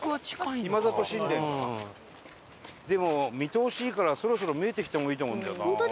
でも見通しいいからそろそろ見えてきてもいいと思うんだよな。